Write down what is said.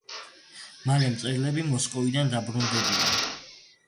მალე მწერლები მოსკოვიდან დაბრუნდებიან.